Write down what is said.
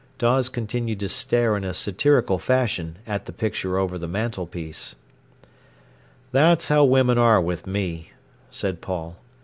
Dawes continued to stare in a satirical fashion at the picture over the mantelpiece. "That's how women are with me," said Paul.